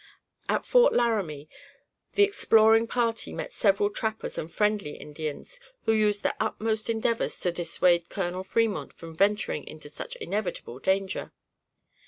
At Fort Laramie the exploring party met several trappers and friendly Indians who used their utmost endeavors to dissuade Colonel Fremont from venturing into such inevitable danger.